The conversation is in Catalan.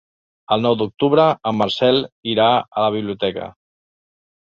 El nou d'octubre en Marcel irà a la biblioteca.